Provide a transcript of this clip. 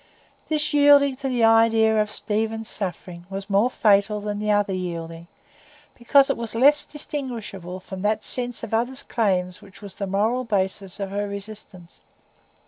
This yielding to the idea of Stephen's suffering was more fatal than the other yielding, because it was less distinguishable from that sense of others' claims which was the moral basis of her resistance.